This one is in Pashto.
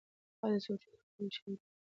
ایا د سوچونو کړۍ وشلیدله؟